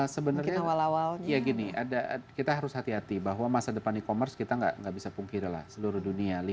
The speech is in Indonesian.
sebenarnya kita harus hati hati bahwa masa depan e commerce kita tidak bisa pungkir lah seluruh dunia